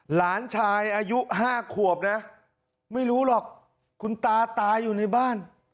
หลานชายอายุ๕ขวบนะไม่รู้หรอกคุณตาตายอยู่ในบ้าน